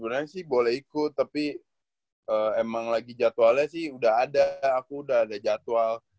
sebenarnya sih boleh ikut tapi emang lagi jadwalnya sih udah ada aku udah ada jadwal